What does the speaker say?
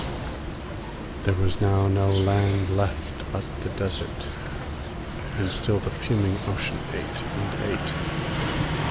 There was now no land left but the desert, and still the fuming ocean ate and ate.